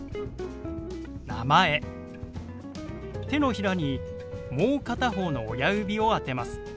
手のひらにもう片方の親指を当てます。